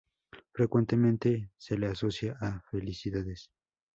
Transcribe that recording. Frecuentemente se la asocia a "felicidades".